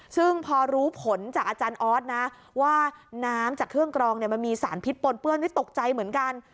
ซึ่งพอรู้ผลจากอาจารย์ออสนะว่าน้ำจากเครื่องกรองมันมีสารพิษปนเปื้อนที่ตกใจเหมือนกัน